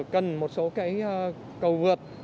cần một số cây cầu vượt